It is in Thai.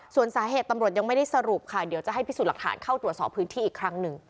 ส่วนสาเหตุตำรวจยังไม่ได้สรุปค่ะเดี๋ยวจะให้พิสูจน์หลักฐานเข้าตรวจสอบพื้นที่อีกครั้งหนึ่ง